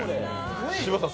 柴田さん